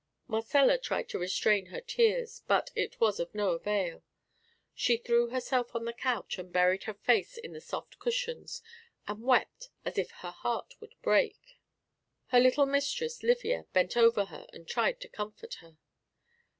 Marcella tried to restrain her tears, but it was of no avail. She threw herself on the couch, and buried her face in the soft cushions, and wept as if her heart would break. Her little mistress Livia bent over her, and tried to comfort her.